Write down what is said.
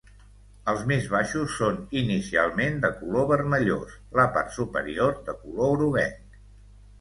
Els més baixos són inicialment de color vermellós, la part superior de color groguenc.